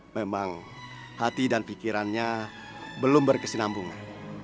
memang hati dan pikirannya belum berkesinambungan